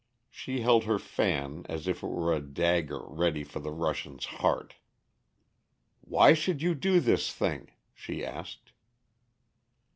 She held her fan as if it were a dagger ready for the Russian's heart. "Why should you do this thing?" she asked.